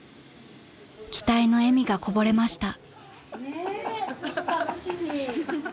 ［期待の笑みがこぼれました］